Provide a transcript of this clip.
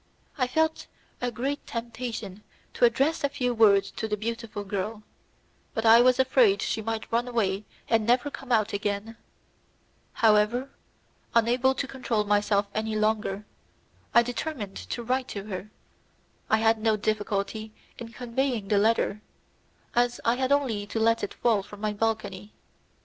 I felt a great temptation to address a few words to the beautiful girl, but I was afraid she might run away and never come out again; however, unable to control myself any longer, I determined to write to her; I had no difficulty in conveying the letter, as I had only to let it fall from my balcony.